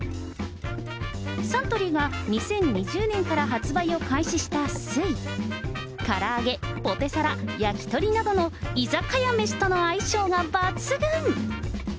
サントリーが２０２０年から発売を開始した翠。から揚げ、ポテサラ、焼き鳥などの居酒屋飯との相性が抜群。